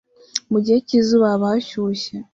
Mu gihe cy'izuba haba hashyushye